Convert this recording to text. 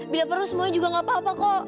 bila perlu semuanya juga gak apa apa kok